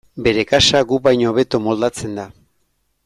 Bere kasa gu baino hobeto moldatzen da.